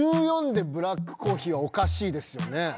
１４でブラックコーヒーはおかしいですよね。